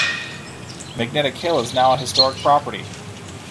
Magnetic Hill is now a historic property.